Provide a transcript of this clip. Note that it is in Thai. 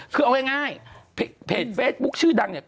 คือเอาง่ายเพจเฟซบุ๊คชื่อดังเนี่ย